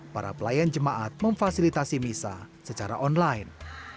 para pelayan jemaat memfasilitasi misa secara online